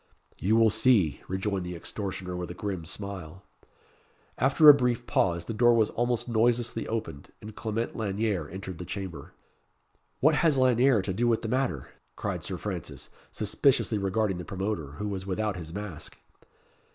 "You will see," rejoined the extortioner with a grim smile. After a brief pause, the door was almost noiselessly opened, and Clement Lanyere entered the chamber. "What has Lanyere to do with the matter?" cried Sir Francis, suspiciously regarding the promoter, who was without his mask.